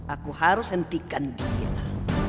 aku harus hentikan dia